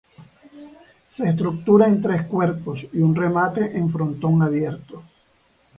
Se estructura en tres cuerpos y un remate en frontón abierto.